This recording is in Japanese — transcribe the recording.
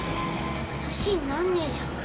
話になんねえじゃんか。